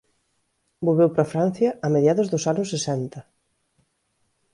Volveu para Francia a mediados dos anos sesenta.